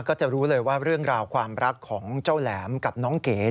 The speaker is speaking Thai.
ก็จะรู้เลยว่าเรื่องราวความรักของเจ้าแหลมกับน้องเก๋